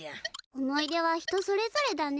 思い出は人それぞれだね。